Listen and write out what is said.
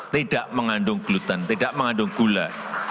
tidak mengandung gluten tidak mengandung gula